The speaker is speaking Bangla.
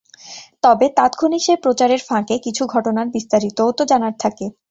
তবে তাৎক্ষণিক সেই প্রচারের ফাঁকে কিছু ঘটনার বিস্তারিতও তো জানার থাকে।